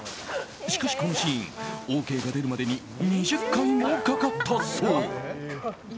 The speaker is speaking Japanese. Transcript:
しかし、このシーンＯＫが出るまでに２０回もかかったそう。